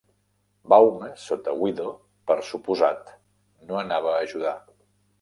Baume, sota Wido, per suposat no anava a ajudar.